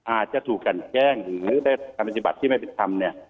อาจจะถูกกันแกล้งหรือได้การปฏิบัติที่ไม่เป็นธรรมเนี่ย